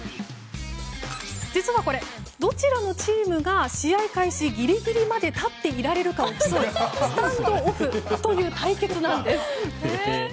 実は、これどちらのチームが試合開始ギリギリまで立ち続けられるかを競うスタンドオフという対決なんです。